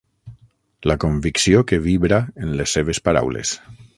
La convicció que vibra en les seves paraules.